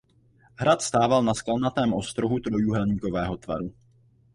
Hrad stával na skalnatém ostrohu trojúhelníkového tvaru.